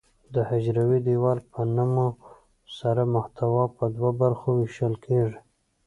د حجروي دیوال په نمو سره محتوا په دوه برخو ویشل کیږي.